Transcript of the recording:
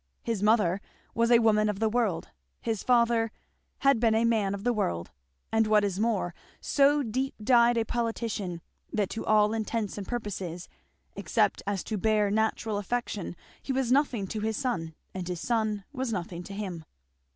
His mother was a woman of the world; his father had been a man of the world; and what is more, so deep dyed a politician that to all intents and purposes, except as to bare natural affection, he was nothing to his son and his son was nothing to him.